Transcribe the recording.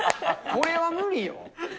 これは無理よ。